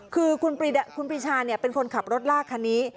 คือคุณปีชาเป็นคนขับรถลากคันนี้